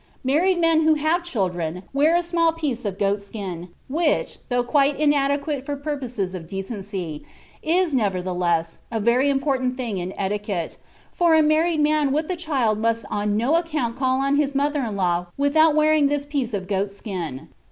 Married men who have children wear a small piece of goat skin, which, though quite inadequate for purposes of decency, is, nevertheless, a very important thing in etiquette, for a married man with a child must on no account call on his mother in law without wearing this piece of goat's skin.